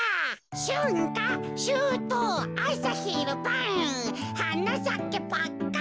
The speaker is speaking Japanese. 「しゅんかしゅうとうあさひるばん」「はなさけパッカン」